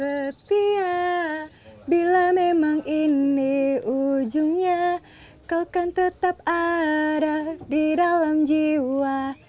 terus berpisah aku akan tetap setia bila memang ini ujungnya kau kan tetap ada di dalam jiwa